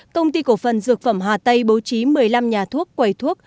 công ty cổ phần dược phẩm hà tây bố trí một mươi năm nhà thuốc quầy thuốc